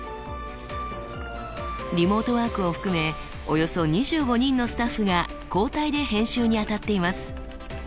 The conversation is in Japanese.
リモートワークを含めおよそ２５人のスタッフが交代で編集にあたっています。